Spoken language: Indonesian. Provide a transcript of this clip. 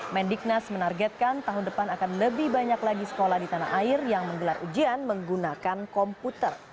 mendiknas menargetkan tahun depan akan lebih banyak lagi sekolah di tanah air yang menggelar ujian menggunakan komputer